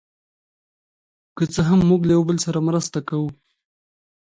که څه هم، موږ له یو بل سره مرسته کوو.